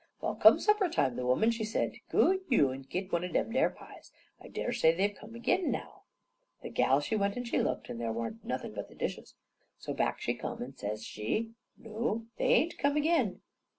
Well, come supper time, the woman she said, "Goo you and git one o' them there pies; I daresay they've come agin, now." The gal, she went an' she looked, and there warn't nothin' but the dishes. So back she come and says she, "Noo, they ain't come agin."